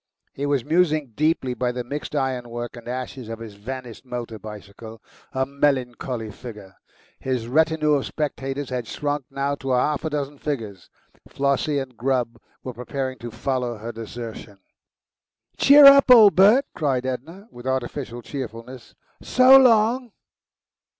He was musing deeply by the mixed ironwork and ashes of his vanished motor bicycle, a melancholy figure. His retinue of spectators had shrunk now to half a dozen figures. Flossie and Grubb were preparing to follow her desertion. "Cheer up, old Bert!" cried Edna, with artificial cheerfulness. "So long."